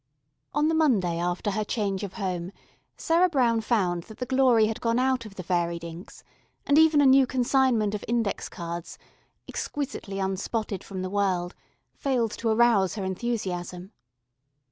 On the Monday after her change of home, Sarah Brown found that the glory had gone out of the varied inks, and even a new consignment of index cards, exquisitely unspotted from the world, failed to arouse her enthusiasm.